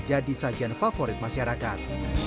jadi sajian favorit masyarakat